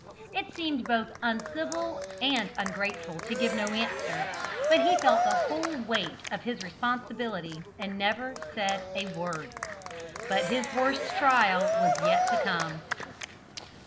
It seemed both uncivil and ungrateful to give no answer, but he felt the whole weight of his responsibility and said never a word. But his worst trial was yet to come.